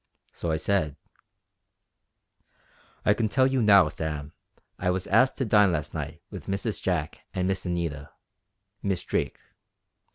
So I said: "I can tell you now, Sam. I was asked to dine last night with Mrs. Jack and Miss Anita Miss Drake.